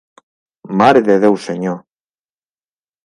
Mare de Déu Senyor!